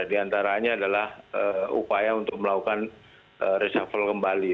di antaranya adalah upaya untuk melakukan reshuffle kembali